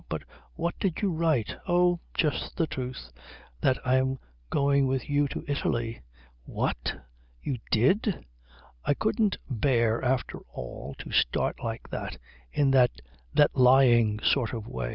But what did you write?" "Oh, just the truth. That I'm going with you to Italy." "What? You did?" "I couldn't bear after all to start like that, in that that lying sort of way."